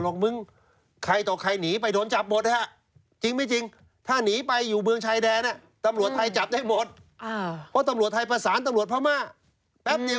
บอลต่ิ้งพัสต์ยิ่งอยู่ไป๗วัน